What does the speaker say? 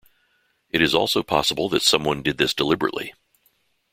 It is also possible that someone did this deliberately.